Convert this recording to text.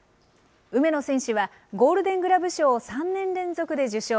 梅野選手は、ゴールデン・グラブ賞を３年連続で受賞。